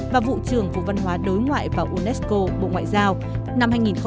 và vụ trưởng vụ văn hóa đối ngoại và unesco bộ ngoại giao